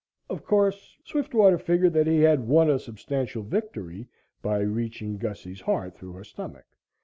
Of course, Swiftwater figured that he had won a substantial victory by reaching Gussie's heart through her stomach.